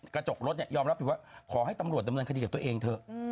กระจกรถยอมรับอยู่ว่าขอให้ตำรวจดำเนินคดีกับตัวเองเถอะ